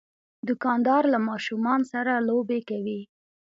دوکاندار له ماشومان سره لوبې کوي.